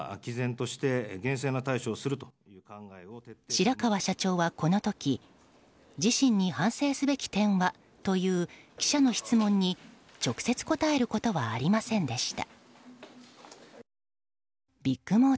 白川社長はこの時自身に反省すべき点は？という記者の質問に直接答えることはありませんでした。